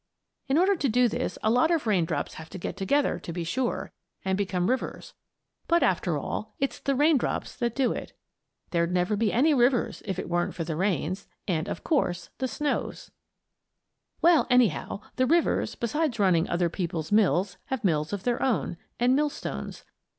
In order to do this a lot of raindrops have to get together, to be sure, and become rivers; but after all it's the raindrops that do it. There'd never be any rivers if it weren't for the rains and, of course, the snows. Well, anyhow, the rivers, besides running other people's mills, have mills of their own; and millstones.